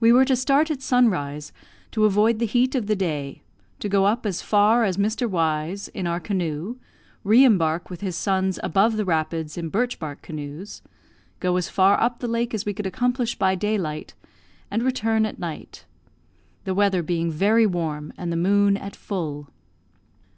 We were to start at sunrise, to avoid the heat of the day, to go up as far as Mr. Y 's in our canoe, re embark with his sons above the rapids in birch bark canoes, go as far up the lake as we could accomplish by daylight, and return at night; the weather being very warm, and the moon at full.